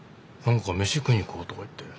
「飯食いにいこう」とか言って。